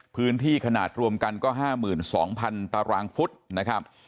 พื้นที่ขนาดรวมกันก็๕๒๐๐๐ตารางฟุตนะครับ